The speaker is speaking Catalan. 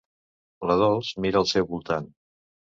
La Dols mira al seu voltant.